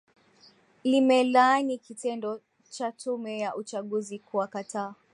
limelaani kitendo cha tume ya uchaguzi kuwakataa